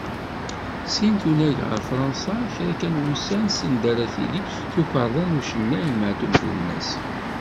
Sin tunag ɣer Fransa, kra kan n wussan send ara d-tili tukerḍa n ucennay Maɛtub Lwennes.